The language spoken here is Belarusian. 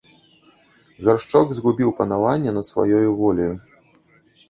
Гаршчок згубіў панаванне над сваёю воляю.